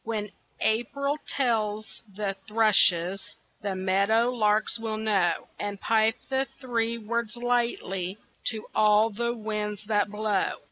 When April tells the thrushes, The meadow larks will know, And pipe the three words lightly To all the winds that blow.